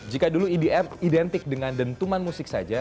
jika dulu edm identik dengan dentuman musik saja